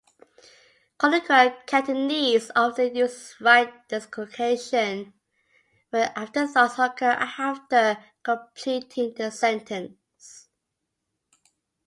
Colloquial Cantonese often uses right dislocation when afterthoughts occur after completing a sentence.